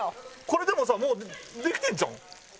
これでもさもうできてんちゃうん？